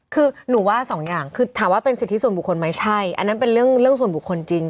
คือหนูว่าสองอย่างคือถามว่าเป็นสิทธิส่วนบุคคลไหมใช่อันนั้นเป็นเรื่องส่วนบุคคลจริง